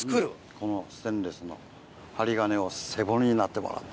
このステンレスの針金を背骨になってもらって。